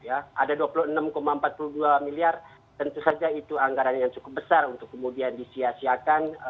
ada dua puluh enam empat puluh dua miliar tentu saja itu anggaran yang cukup besar untuk kemudian disiasiakan